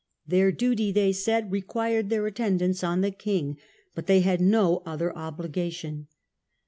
Their duty, they said, required their attendance on the king; but they had no other obligation.